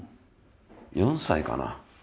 ４歳かな？